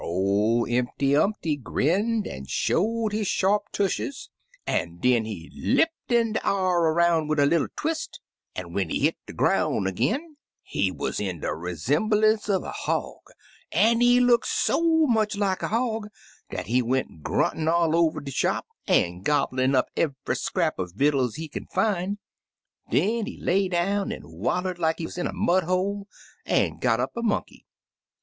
01' Impty Umpty grinned an' showed his sharp tushes, an' den he lipped in de a'r wid a little twist, an' when he hit de groun' ag'in, he wuz in de resemblance uv er hog, an' he look so much 46 Impty Umpty Kke cr hog dat he went gnintin' all over de shop, an' gobblin' up eve'y scrap er vittles he kin fin*. Den he lay down an* waller'd like he wuz in a mud ho^e, an* got up a monkey.